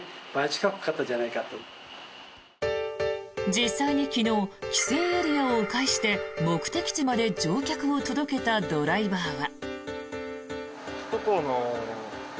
実際に昨日規制エリアを迂回して目的地まで乗客を届けたドライバーは。